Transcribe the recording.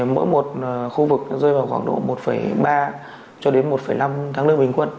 mỗi một khu vực rơi vào khoảng độ một ba cho đến một năm tháng lương bình quân